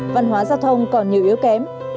văn hóa giao thông còn nhiều yếu kém